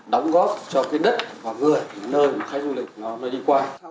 đóng góp cho cái đất và người nơi mà khách du lịch nó đi qua